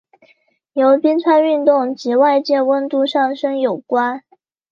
由冰川运动及外界温度上升有关。